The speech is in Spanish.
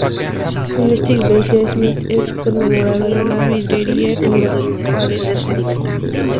En esta iglesia, Smith es conmemorado en una vidriera en la pared sur.